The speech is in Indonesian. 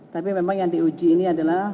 tapi memang yang diuji ini adalah